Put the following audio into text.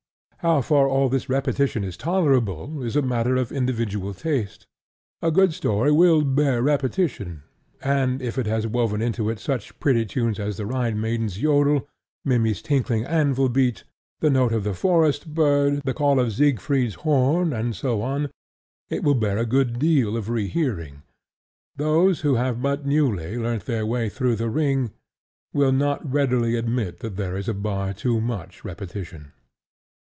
How far all this repetition is tolerable is a matter of individual taste. A good story will bear repetition; and if it has woven into it such pretty tunes as the Rhine maidens' yodel, Mimmy's tinkling anvil beat, the note of the forest bird, the call of Siegfried's horn, and so on, it will bear a good deal of rehearing. Those who have but newly learnt their way through The Ring will not readily admit that there is a bar too much repetition.